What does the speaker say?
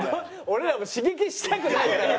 俺らも刺激したくないから。